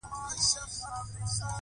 بالاخره له همدې ځنګل ووتلو.